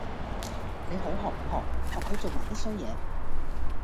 你好學唔學！學佢做埋 D 衰野